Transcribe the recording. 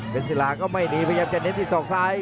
พิษีลาก็ไม่หนีพยักษ์แจนท์ที่ส่อกซ้าย